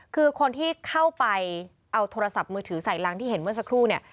คือคนที่เข้าไปเอาโทรศัพท์มือถือใส่รังที่เห็นเมื่อสักครู่เนี่ย